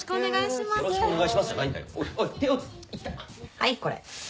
はいこれ。